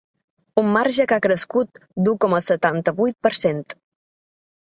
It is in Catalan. Un marge que ha crescut d’u coma setanta-vuit per cent.